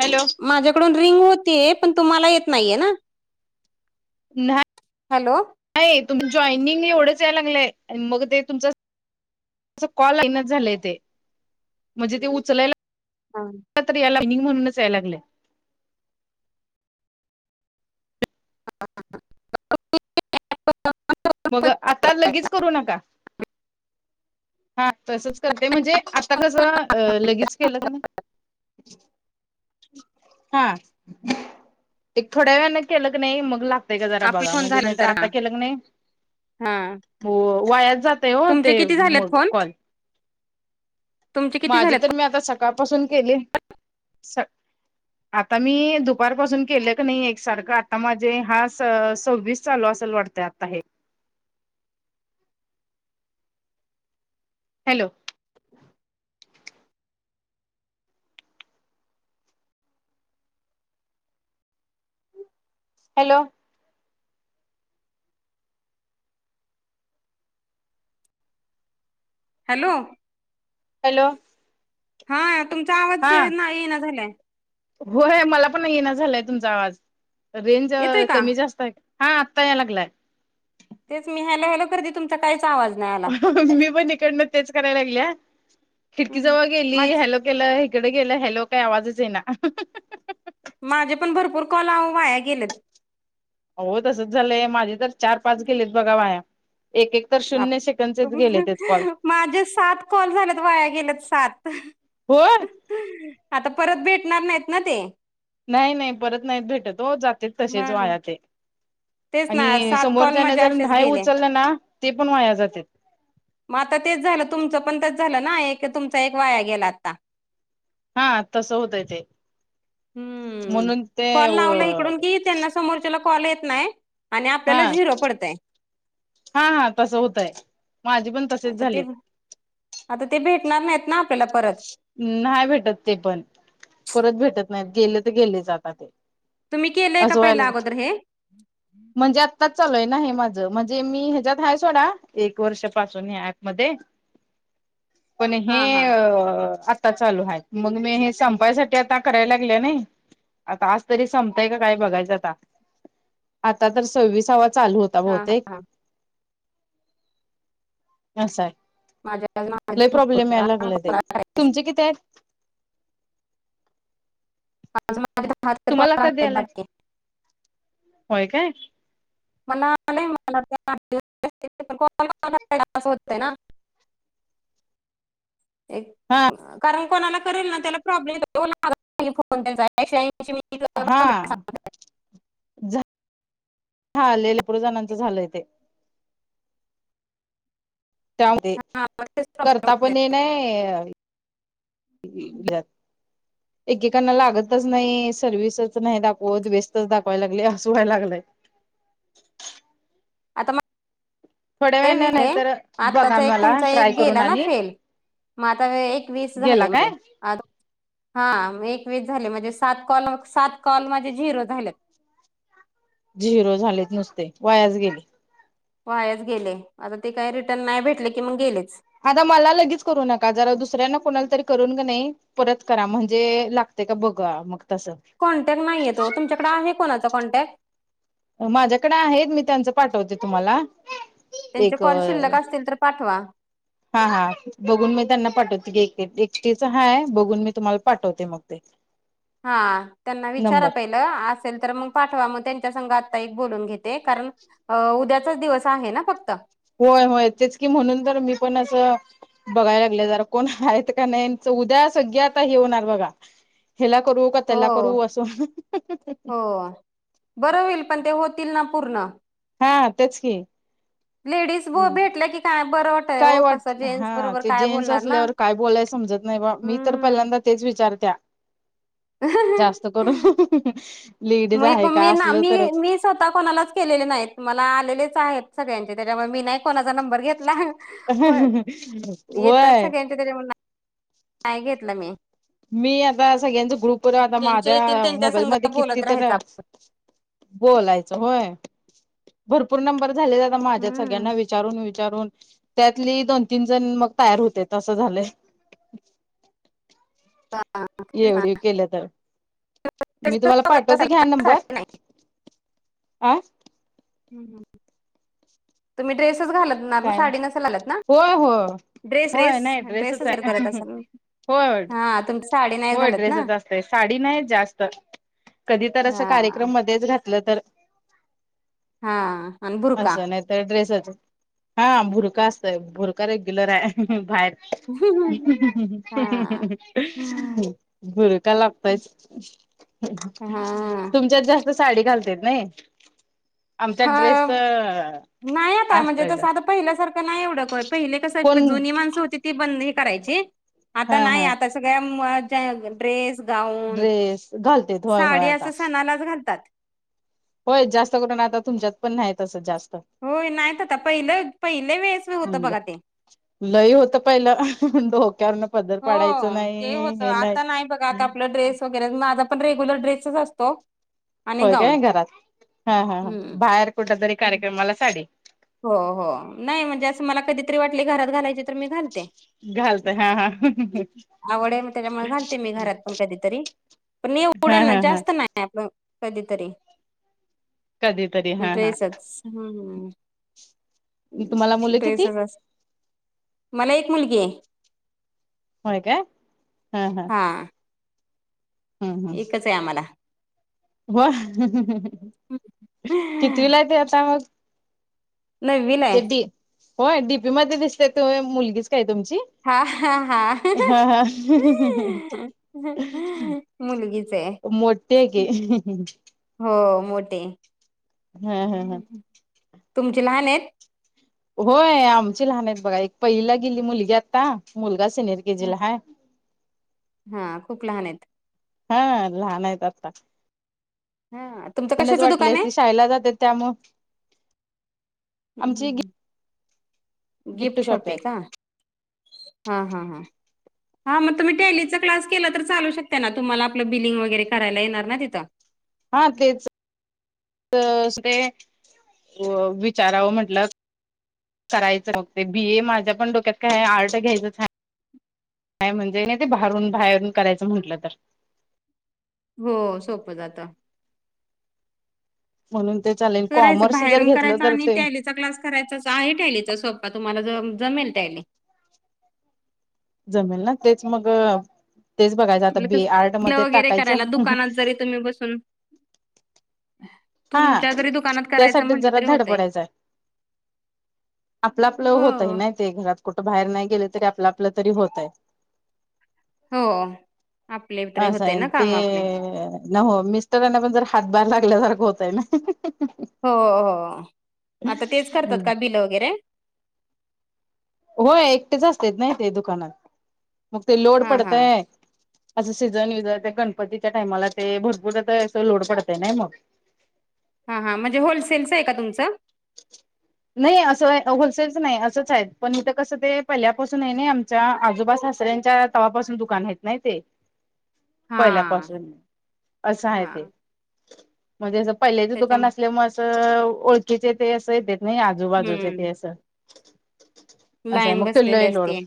Hello माझ्याकडून ring होती पण तुम्हाला येत नाहीये ना. नाही. हॅलो. नाही तुम जॉइनिंग एवढंच याला लागलंय मग ते तुमच. कॉल झाय म्हणजे ते उचलाय हा. याला म म्हणूनच याय लाग. हां ह. [inaudible] मग आता लगेच करू नका हा तसच करते म्हणजे. कस अ लगेच केलं का नइ हा एक थोड्या वेळने केलं क नाही मग लागत. का जरा आपला बघा फोन म्हणजे नाहीर झाल्यानंतर हा आता केलं क नाही. हा. हो वायात जातय हो तुमचे ते किती झालेत फोन कॉल. तुमचे किती माझी तर झालेत मी आता सकाळपासून केले. आता मी दुपारपासून केलं क नाही एकसारखं आता माझे हा स सव्वीस चालू असेल वाटत. त्यात आहे. हॅलो. हॅलो हॅलो हॅलो हा तुमचा आवाज हा ये ना झालाय. होय मला पण ये ना झालंय तुमचा आवाज रेंज येतोय का कमी जास्त आहे. हा आत्ता ये लागलाय. तेच मी हॅलो हॅलो करती तुम्ही काहीच आवाज नाही. आला मी पण इकड म तेच करायला लागले खिडकी जवळ गेली माझ हॅलो गेलं हकडे गेलं हॅलो काही आवाजच येईना माझे पण भरपूर कॉल वाया गेलेत. हो तसच झालंय माझे तर चार पाच गेलेत बघा वाया. एक एक तर. शून्य सेकंदचेच गेलेतेत कॉल माझे सात कॉल झालेत वाया गेल्यात सात. हो. आता परत भेटणार नाहीत ना ते नाही नाही परत नाहीत भेटत हो जातेच तसेच वाया ते तेच ना आणि सात कॉल समोरच्या न माझे जर असेच नाही गेले उचललं ना ते पण वाया जाते. मग आता तेच झालं तुमचं पण तेच झालं ना एक तुमचा एक वाया गेला आता हा तस होतय ते हम्म म्हणून ते अ समोरच्या कॉल येत नाही आणि आपल्याला हा झिरो पडतय. हा हा तसं होतय माझी पण तसेच आता ते झालेत. आता ते भेटणार नाहीत ना आपल्याला परत नाही भेटत ते पण परत भेटत नाही गेले तर गेले जातात ते तुम्ही केले काय असं व्हायला पहिले अगोदर हे म्हणजे आत्ताच चालू आहे ना हे माझं म्हणजे मी ह्याच्यात आहे सोडा एक वर्षापासून या ऍप मध्ये पण हे हा हा अ आता चालू आहेत मग मी हे संपायसाठी आता करायला लागल्या नाही. आता आज तरी संपताय का काय बघायचं आता आता तर सव्वीसावा चालू हा होत. हा [inaudible] हा अस आहे माझ्या आज माझ्या लय प्रॉब्लेम वर हा यायला लागला ते करायचा. तुमचे किती आहेत? माझ माझ स तरीॉ तुम्हाला कधी आलाय बाकी [inaudible] होय काय? म नाही म असं होतय ना, एक हा कारण कोणाला करेल ना त्याला प्रॉब्लेम फोन त्याचा हा हा भरपूर णांचं झालंय ते हा, मग तेच करता पण ये होतोय. नाही.... घ... एकेकांना लागतच नाही सव्हिसच नाही दाखवत वेस्तच दाखवाय लागले असं वय लागलंय... आता थोड्या वेळने नाही मग तर बघा आत्ताचा एक मला तुमचा ट्राय एक करून गेला ना आणि फेल... मग आता एक वीस गेला झाले काय म्हणजे.... आ हा एक वस झाले म्हणजे सात कॉल सात कॉल माझे झिरो झाले.... झिरो झालेच नुसते वायास गेले... पायाच गेले आता ते काही रिटर्न नाही भेटले की मग गेलेच... आता मला लगेच करू नका जरा दुसऱ्यांना कोणाला तरी करून का नाही परत करा म्हणजे लागतेय का बघा मग तसं... कॉन्टॅक्ट नाही आहे तो तुमच्याकडे आहे कोणाचा कॉन्टॅक्ट... माझ्याकडे आहेत मी त्यांचं पाठवते तुम्हाला... त्यांचे एक कॉल शिल्लक असतील तर पाठवा हा हा.... बघून मी त्यांना पाठवते एक्सटीच हाय बघून मी तुम्हाला पाठवते मग ते... हा त्यांना विचारा नंबर पाहिजे.... असेल तर मग पाठवा मग त्यांच्या सं आता एक बोलून घेते कारण..... अ... उद्याचाच दिवस आहे ना फक्त.... होय होय तेच की म्हणून तर मी पण असं. बघायला लागले जरा कोण आहेत का नाही उद्या सगळी आता हे होणार बघा. ह्याला करू का हो त्याला करू असं. हो. बरं होईल. पण ते होतील ना पूर्ण.... हा तेच की.... लेडीज व भेटल्या की काय बरं वाट.... काय वाट हा ते जेंट्स ना असल्यावर काय बोलायला समजत नाही बा मी तर. हम्म पहिल्यांदा तेच विचारत्या.... ह हं.... जास्त कर लेडीज आहे का मी ना असल मी तरच... मी स्वतः कोणालाच केलेले नाहीत मला आलेलेच आहेत सगळ्यांचे त्याच्यामुळे मी नायक.... कोणाचा नंबर घेतला. होयं येतात होय सगळ्याची पण..... नाही घेतलं मी.... मी आता सगळ्यांच ग्रुप आता ज्यांचे येतील माझ्या त्यांच्या संग मोबाईलमध्ये किती बोलत तर..... राहायचं बोलायचं होयं. भरपूर नंबर झालेले आता माझ्या हम्म सगळ्यांना विचारून वि..... चारून त्यातली दोन तीन जण मग तयार होतेत असं झालंय..... हा, तेच ना एवढी केलं तर.... ड्रेसच मी तुम्हाला वापरत पाठवते असाल घ्या ना नंबर. साडी नाही आ.... तुम्ही ड्रेसच घालत... असणार ना. काय साडी नेसालेत ना. होय होय ड्रेस ड्रेस सर करत असेल ना.... होयं.. हा होयं.. तुमची साडी नाही होय घालत ना ड्रेसचं असतंय. साडी नाही जास्त..... कधी तर असं हा कार्यक्रम मध्येच घातलं तर..... हा आणि बुरका असं नाही तर ड्रेसच.... हा भुरखा असतयं. भुर्खा रेगुलर आहे बाहेर..... हा हा भुर्खाका लागतायचं.... तुमच्यात जास्त साडी घालतेतं नायं..... आमच्या ड्रेसच हा नाही आता अ म्हणजे असतेतं..... तसं आता पहिल्यासारखं नाही एवढं पहिले कस जुनी माणसं होती ती बंद.... करायची आता हा नाही हा आता सगळ्या..... ड्रेस गाऊन ड्रेस घालतेत होय होय साडी आता असं सणालाच घालतात.... होय जास्त करून आता तुमच्यात पण नाही तसं जास्त..... होय नाहीत आता पहिलं पहिले वेळेस होत बघा ते..... लई होतं पहिल डोक्यावरनं हो ते होत आता नाही बघा आता आपलं ड्रेस वगैरे माझ पण रेग्युल ड्रेसच असतो. आणि होय गाऊन काय घरात हा हा हम्म. बाहेर कुठ तरी कार्यक्रमाला साडी. हो हो नाही म्हणजे असं मला कधीतरी वाटले घरात घालायचे तर मी घालते. घालतय हा हा आवड आहे मग त्याच्यामुळे घालते मी घरात पण कधीतरी. पण उड हा ना हा हा जास्त नाही. [unintelligible] नाही पण कधीतरी कधीतरी हा हा ड्रेसच. ह्म्म्म ह्म्म्म [inaudible] तुम्हाला मुलं किती ड्रेसचं असतयं. मला एक मुलगी आहे. होयं काय.. हा हा... हां. हम्म हम्म एकच आहे आम्हाला. हो... कितीवीला आहे आता मग. नववीला आहे. ते डी होय डीपी मध्ये दिसतेत ती मुलगीच काय तुमची. हा हा हा हा.. हा... मुलगीच आहे मोठी आहे की हो मोठी हा हा हा आहे तुमची लहान आहेत होय आमची लहान आहेत बघा एक पहिला गेली मुलगी आता मुलगा सेनेअर के जी ला आहे हा खूप लहान आहेत हा लहान आहेत आता हा तुमचं मच कशाचं दुकान वाटलीस आहे ती शाळेला जात्यात त्यामुळ हं हं हं गिफ्ट शॉप शॉपी आहेत आहे का हा हा हा हां मग तुम्ही टेलीचा क्लास केलं तर चालू शकता ना तुम्हाला आपलं बिलिंग वगैरे करायला येणार ना तिथं हा तेच पैसे ते विचारावं म्हंटलं करायचं बगते बी ए माझ्या पण डोक्यात काय आर्ट घ्यायचंच आहे काय म्हणजे नाही ते भारून बाहेरून करायचं म्हंटलं तर हो सोपं जात म्हणून ते चालेल करायचं कॉमर्स जर बाहेरून घेतलं करायचं तर आणि ते ट्यालीच चा क्सास करायचा आहे टलीचा सोप्पा तुम्हाला ज जमेल टली जमेल ना तेच मग तेच बघायचं आता आपलं बी कसं आर्ट बिलं मध्ये वगैरे करायला टाकायचं तुम्ही बसून हम् [inaudible] हा त्यासाठीच जरा धड होतय. पडायचाय आपलं आपलं होतय हो. नाही ते घरात कुठं बाहेर नाही गेले तरी आपलं आपलं तरी होत आहे हो आपले तरी होते असाय ना ते काम आपले. न हो मिस्टरांना पण जर हातभार लागल्यासारखं होतय ना हो हो आता तेच करतात का बिलं वगैरे होय एकटेच असतात ना ते दुकानात मग ते लोड हा हा पडतय असं सीझन यझन गणपतीच्या टाइमाला तेन भरपूर आता लोड पडतय नाही मग हा हां म्हणजे होलसेलचं आहे का तुमचं [inaudible] नाही असं होलसेलच नाही असंच आहेत पण इथ कसं ते पहिल्यापासून आहे नाही आम आजोबा सासऱ्यांच्या तवापासून दुकान आहेत ना ते हा पहिल्यापासून असं आहे हा ते म्हणजे असं पहिल्याच त्याच्या दुकान असल्यामुळे असं ओळखीचे ते असं येतेत नाही आ आजूबाजूचे तेन हम्म अस असं आहे लाईन बसलेली मुक्तलोही लोड असते.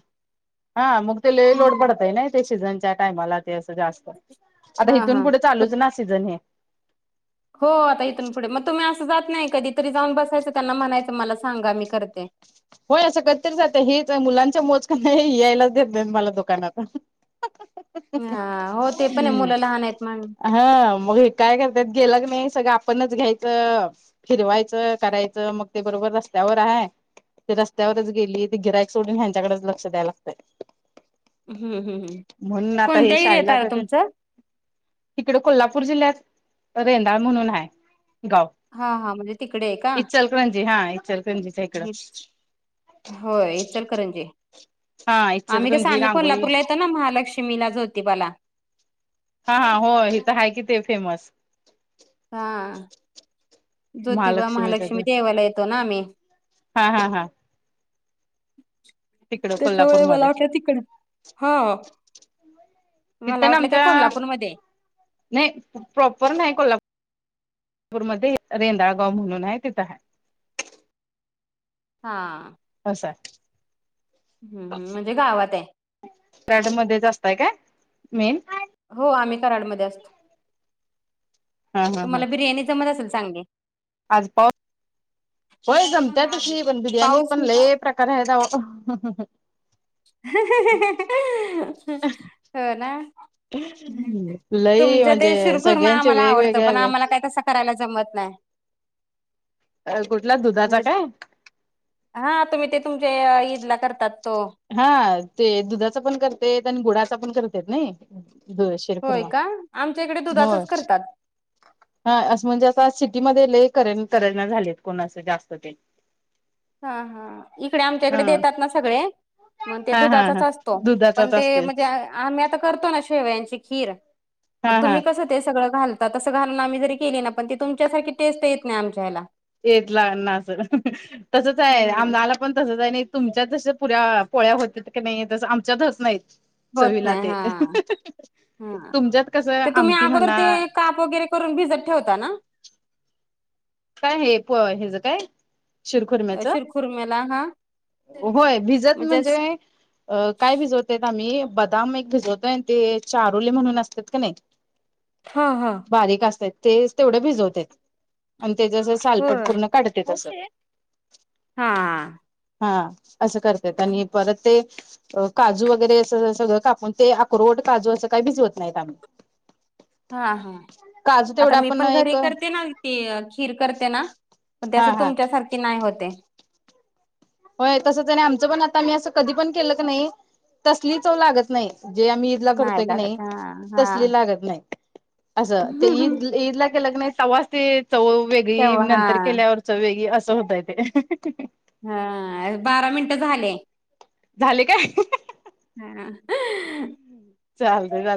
हा मुक्तलोही लोड हम्म. पडत आहे नाही सझच्या टाला अस जास्त आता हा हथून हा. पुढे मग चालूच ना सीझन हे हो आता इथून पुढे मग तुम्ही असं जात नाही कधी तरी जाऊन बसायचं त्यांना म्हणायचं मला सांगा मी करते होय असं करी जातं हेच मुलांच्या मोज का नाही यायलाच देत नाही मला दुकानात हा हो ते पण आहे हम्म मुलं लहान आहेत म्हण. हा मग काय करतत गेला क नाही सगळं आपणच घ्यायचं फिरवायचं करायचं मग ते बरोबर रस्त्यावर आहे ते रस्त्यावरच गेली ते गिरायक सोडून ह्यांच्याकडेच लक्ष द्यायला लागतय हम्म हम्म हम्म म्हणून आता हे कोणत्या एरियात शायलाच आलं तुमचं? तिकडे कोल्हापूर जिल्ह्यात रेंदाळ म्हणून आहे गाव हा हा म्हणजे तिकडे इचलकरंजी हा इचल हेच होय हे चलकरंजी हा आम्ही कसं इचलकरंजी आम्ही रांगोळी कोल्हापूरला येतो ना महालक्ष्मीला ज होती बाला हा हा हो हिथ आहे कि ते फेमस हा ज्योतिबा महालक्ष्मीच महालक्ष्मी ते देवाला येतो ना आम्ही हा हा हा तिकड त्याच्यामुळे मला कोल्हापूरमध्येध्ये वाटलं तिकड हा तिथे मला ना वाटलं काय आमच्या कोल्हापूरमध्ये नाही प्रॉपर नाही कोल्हापूर नापूरमध्येध्ये रेंदाळगाव म्हणून आहे तिथं आहे हा असं हम् म्हणजे गावात आहे ड मध्ये जा असतय काय मेन हो आम्ही कराडमध्ये असतो हा हा हा तुम्हाला बिर्याणी जमत असेल सांगे आज पाऊ होय जमत तशी पण बिर्याणी पाऊस पण लेप करादा हो ना ह लई तुमच्या ते म्हणजे सुुरखुर म सगळ्यांचे आम्हाला आवडतं वेगवेगळ्या पण वे आम्हाला काय तसं करायला जमत नाही कुठला दुधाचा म्हणजे काय हा तुम्ही ते तुमच्या ईद ला करतात तो हा ते दुधाचा पण करते आणि गुडाचा पण करतेत नाही होय शिरखुर्मा का आमच्याकडे होय दुधाचाच करतात हा असं म्हणजे असता सिटीमध्ये लले कर करना झालेत कोण असं जास्त ते [unintelligible] हा हा इकडे हा आमच्याकडे देतात ना सगळे मग ते हा हा दुधाचाच हा असतो पण दुधाचाच ते असते म्हणजे आम्ी आता करतो ना शेवयाची खीर मग हा हा तुम्ही कसं ते सगळं घालतात तस घालून आम्ही जरी केली ना पण ती तुमच्यासारी टेस्ट येत नाही आमच्या ह्याला येत लाना अस तसच आहे हम्म. आम आला पण तस जा नाही तुमच्या जस पुऱ्या पोळ्या होत की नाही तसं आमच्यातच नाहीत होत चवीला नाही ते हा हा. तुमच्यात कसं ते तुम्ही आमटी अगोदर म्हणा ते काप वगैरे करून भिजत ठेवता ना काय हे प हचं काय अ, शिरखुरम्याच शिरखुरम्याला हा होय भिजत म्हणजेच म्हणजे काय भिजवतयत आम्ही बदाम एक भिजवतोय ते चारुले म्हणून असतात का नाही [unintelligible] हा हा बारीक असतात ते तेवढे भिजवत आणि ते जसं सालपट होय. पूर्ण काढते तसं हा हा असं करतयेत आणि परत ते काजू वगैरे अस सगळं कापून ते अक्रवट काजू असं काही बिझी होत नाहीत आम्ही हा हा काजू आता तेवढा मी आपण पण एक घरी करते हा ना. त खीर करते ना प त्यास हा तुमच्यासारखी नाही होते. होय तसं त्याने आमचं पण आता मी असं कधी पण केलं की नाही. तसलीच लागत नाही जे आम्ही ईदला करतोय की नाही लागत हां तसली हां. लागत नाही. असं ते ईद ईदला केलंग नाही सव्वास ते चौ वेगळी तेव्हा नंतर हां केल्यावर वेगळी असं होतय ते हा बारा मिनट झाले. झाले काय? हा. चा र लत.